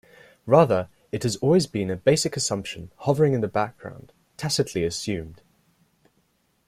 Rather, it has always been a basic assumption hovering in the background, tacitly assumed.